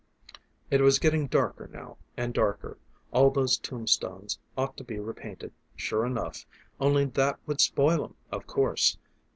It was getting darker now and darker all those tombstones ought to be repainted sure enough, only that would spoil 'em, of course.